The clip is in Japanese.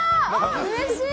うれしい！